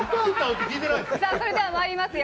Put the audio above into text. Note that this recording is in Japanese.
それではまいりますよ。